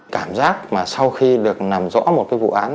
cảm giác mà sau khi được làm rõ một cái vụ án